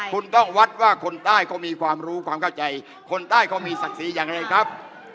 คุณต้องวัดว่าคนใต้เขามีความรู้ความเข้าใจคนใต้เขามีศักดิ์ศรีอย่างไรครับ